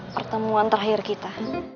pertemuan terakhir kita